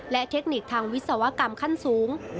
และเทคนิคทางวิศวกรรมขั้นสูง